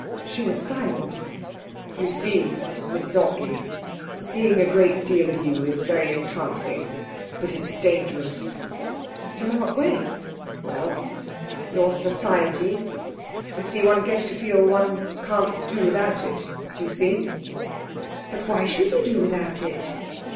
She was silent. 'You see, Mrs Ottley, seeing a great deal of you is very entrancing, but it's dangerous.' 'In what way?' 'Well your society you see one gets to feel one can't do without it, do you see?' 'But why should you do without it?'